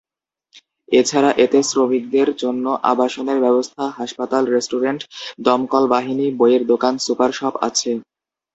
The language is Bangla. এছাড়া এতে শ্রমিকদের জন্য আবাসনের ব্যবস্থা, হাসপাতাল, রেস্টুরেন্ট, দমকল বাহিনী, বইয়ের দোকান, সুপার শপ আছে।